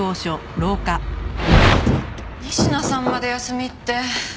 仁科さんまで休みって。